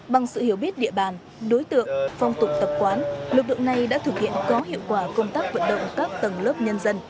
bằng sự hiểu biết địa bàn đối tượng phong tục tập quán lực lượng này đã thực hiện có hiệu quả công tác vận động các tầng lớp nhân dân